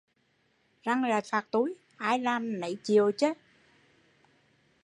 Răng lại phạt tui, ai làm nấy chịu chứ